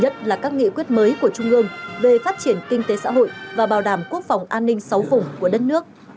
nhất là các nghị quyết mới của trung ương về phát triển kinh tế xã hội và bảo đảm quốc phòng an ninh sáu vùng của đất nước